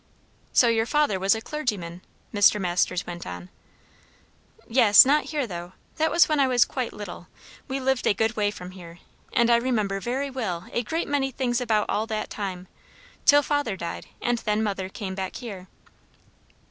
"So your father was a clergyman?" Mr. Masters went on. "Yes. Not here, though. That was when I was quite little. We lived a good way from here; and I remember very well a great many things about all that time, till father died, and then mother came back here."